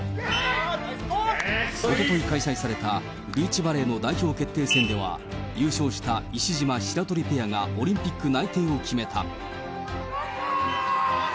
おととい開催されたビーチバレーの代表決定戦では、優勝した石島・白鳥ペアがオリンピック内定を決めた。